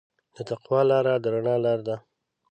د تقوی لاره د رڼا لاره ده.